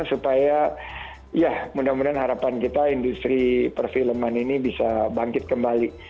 supaya ya mudah mudahan harapan kita industri perfilman ini bisa bangkit kembali